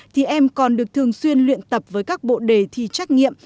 thì em còn được thường xuyên luyện tập với các bộ đề thi trách nhiệm